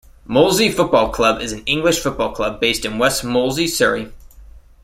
Molesey Football Club is an English football club based in West Molesey, Surrey.